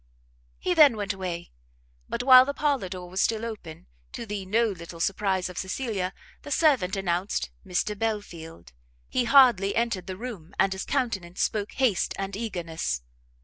He then went away: but while the parlour door was still open, to the no little surprise of Cecilia, the servant announced Mr Belfield. He hardly entered the room, and his countenance spoke haste and eagerness.